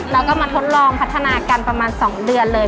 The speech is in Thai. แล้วก็มาทดลองพัฒนากันประมาณ๒เดือนเลย